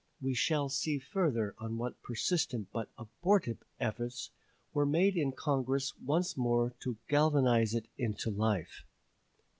We shall see further on what persistent but abortive efforts were made in Congress once more to galvanize it into life.